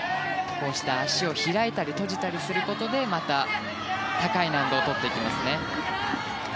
こうして足を開いたり閉じたりすることでまた高い難度を取っていきます。